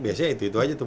biasanya itu itu aja tuh